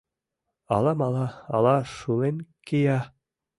Ала мала, ала шулен кия?